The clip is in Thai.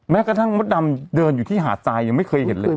แม้กระทั่งมดดำเจ็บทีหาดใจยังไม่เคยเห็นเลย